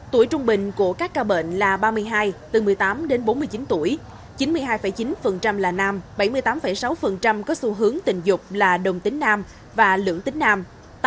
tuổi trung bình của các ca bệnh là ba mươi hai từ một mươi tám đến bốn mươi chín tuổi chín mươi hai chín là nam bảy mươi tám sáu có xu hướng tình dục là đồng tính nam và lưỡng tính nam